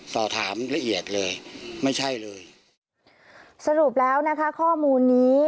สอบถามละเอียดเลยไม่ใช่เลยสรุปแล้วนะคะข้อมูลนี้